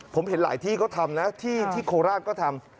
ผมเห็นหลายที่ก็ทำนะที่โคราชก็ทำ